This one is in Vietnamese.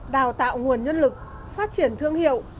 đào tạo nguồn nhân lực phát triển thương hiệu